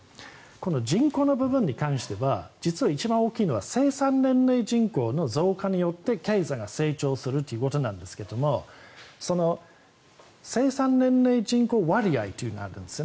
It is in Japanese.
この人口の部分に関しては実は一番大きいのは生産年齢人口の成長によって経済が成長するということなんですがその生産年齢人口割合というのがあるんです。